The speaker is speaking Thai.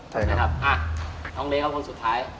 ใช่ครับน้องเล่ครับคนสุดท้าย